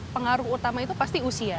pengaruh utama itu pasti usia